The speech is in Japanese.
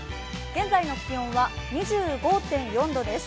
現在の気温は２５．４度です。